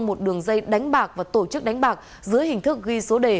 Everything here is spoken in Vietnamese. một đường dây đánh bạc và tổ chức đánh bạc dưới hình thức ghi số đề